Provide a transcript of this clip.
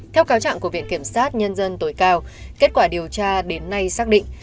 theo cáo trạng của viện kiểm sát nhân dân tối cao kết quả điều tra đến nay xác định